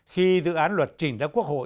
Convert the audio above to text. khi dự án luật chỉnh ra quốc hội